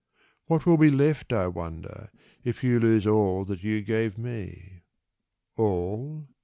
What will be left, I wonder, if you lose All that you gave me? "All?